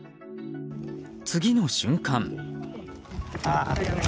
次の瞬間。